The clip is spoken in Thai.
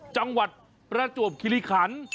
จังหวัดประจวบคิริขัน